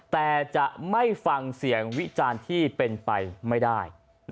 แต่จะไม่ฟังเสียงวิจารณ์ที่เป็นไปไม่ได้